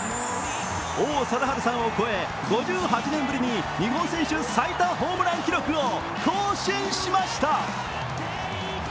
王貞治さんを超え５８年ぶりに日本選手最多ホームラン記録を更新しました。